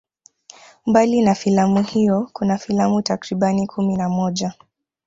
Mbali na filamu hiyo kuna filamu takribani kumi na moja